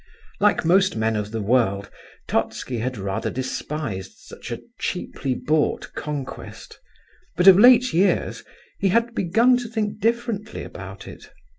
Like most men of the world, Totski had rather despised such a cheaply bought conquest, but of late years he had begun to think differently about it.